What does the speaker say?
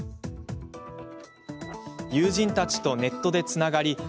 友人たちとネットでつながり